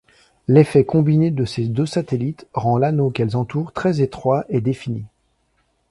L'effet combiné de ces deux satellites rend l'anneau qu'elles entourent très étroit et défini.